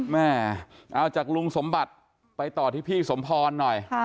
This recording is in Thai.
แม่เอาจากลุงสมบัติไปต่อที่พี่สมพรหน่อย